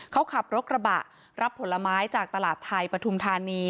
เขาขับรถกระบะรับผลไม้จากตลาดไทยปฐุมธานี